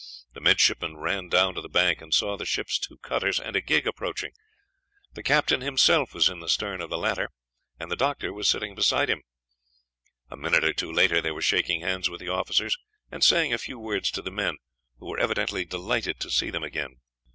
The midshipmen ran down to the bank, and saw the ship's two cutters and a gig approaching. The captain himself was in the stern of the latter, and the doctor was sitting beside him. A minute or two later they were shaking hands with the officers, and saying a few words to the men, who were evidently delighted to see them again.